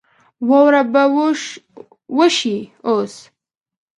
واوره به وشي اوس